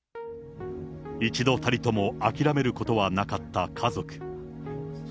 一度たりとも諦めることはなかった家族。